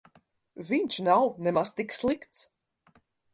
Viņš nav nemaz tik slikts.